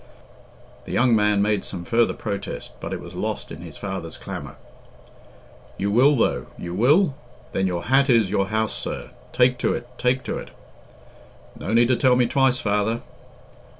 The young man made some further protest, but it was lost in his father's clamour. "You will, though? You will? Then your hat is your house, sir. Take to it take to it!" "No need to tell me twice, father."